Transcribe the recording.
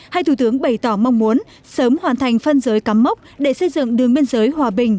hai thủ tướng bày tỏ mong muốn sớm hoàn thành phân giới cắm mốc để xây dựng đường biên giới hòa bình